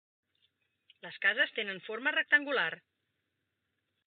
Les cases tenen forma rectangular.